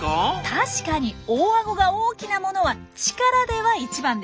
確かに大アゴが大きなものは力では一番です。